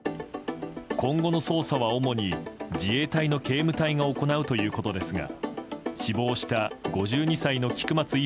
今後の捜査は主に自衛隊の警務隊が行うということですが死亡した５２歳の菊松１